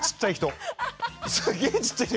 すげちっちゃい人。